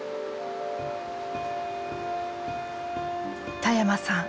田山さん